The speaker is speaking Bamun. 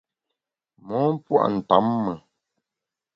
Mon pua’ ntamme.